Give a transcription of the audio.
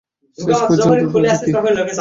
শেষ পর্যন্ত দেখি।